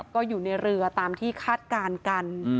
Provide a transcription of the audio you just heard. ก็อยู่ในเรือตามที่คาดการณ์กัน